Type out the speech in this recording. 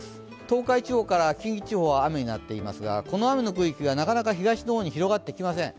東海地方から近畿地方は雨になっていますがこの雨の区域がなかなか東の方に広がっていきません。